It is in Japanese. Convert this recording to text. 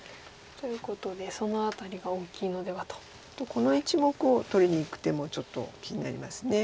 この１目を取りにいく手もちょっと気になります。